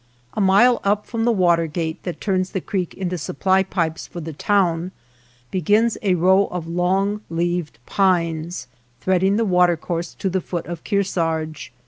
A mile up from the water^ate_that turns the creek into supply pipes for the town, begins a row of long leaved pines, threading the watercourse to the foot of Kearsarge.